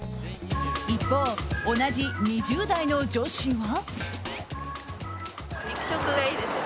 一方、同じ２０代の女子は。